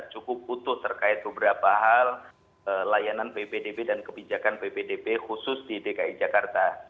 cukup utuh terkait beberapa hal layanan ppdb dan kebijakan ppdb khusus di dki jakarta